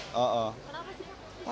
kenapa sih pak